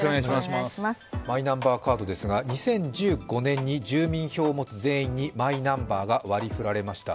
マイナンバーカードですが、２０１５年に住民票を持つ全員にマイナンバーが割りふられました。